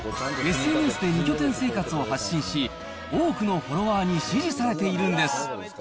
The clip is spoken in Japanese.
ＳＮＳで２拠点生活を発信し、多くのフォロワーに支持されているんです。